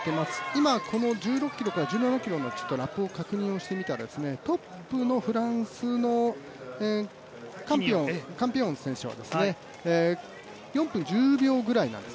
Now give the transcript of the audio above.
今、この１６１７ｋｍのラップを確認してみたらトップのフランスのカンピオン選手は４分１０秒ぐらいなんです。